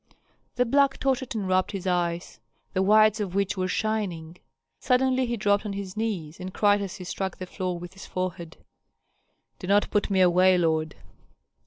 The black tottered and rubbed his eyes, the whites of which were shining. Suddenly he dropped on his knees, and cried as he struck the floor with his forehead, "Do not put me away, lord."